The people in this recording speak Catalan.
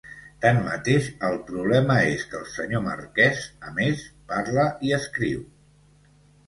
Tanmateix, el problema és que el senyor marquès, a més, parla i escriu.